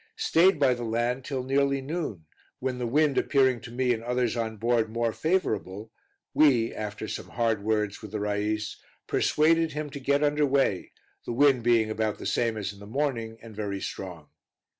Stayed by the land till nearly noon, when the wind appearing to me and others on board, more favorable, we, after some hard words with the rais, persuaded him to get under way, the wind being about the same as in the morning, and very strong.